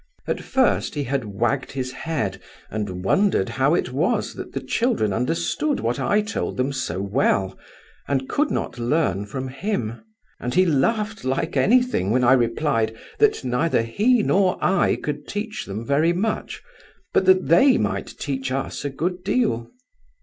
At first he had wagged his head and wondered how it was that the children understood what I told them so well, and could not learn from him; and he laughed like anything when I replied that neither he nor I could teach them very much, but that they might teach us a good deal.